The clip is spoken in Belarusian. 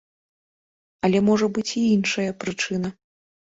Але можа быць і іншая прычына.